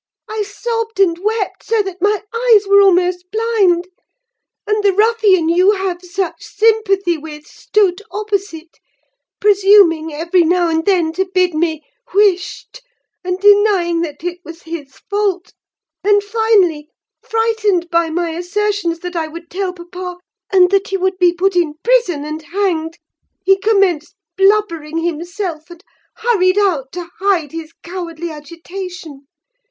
I sobbed and wept so that my eyes were almost blind; and the ruffian you have such sympathy with stood opposite: presuming every now and then to bid me 'wisht,' and denying that it was his fault; and, finally, frightened by my assertions that I would tell papa, and that he should be put in prison and hanged, he commenced blubbering himself, and hurried out to hide his cowardly agitation.